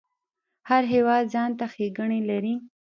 هر هیواد ځانته ښیګڼی لري